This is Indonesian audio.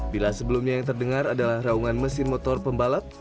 bila sebelumnya yang terdengar adalah raungan mesin motor pembalap